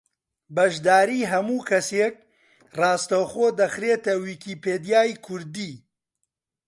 بەشداریی ھەموو کەسێک ڕاستەوخۆ دەخرێتە ویکیپیدیای کوردی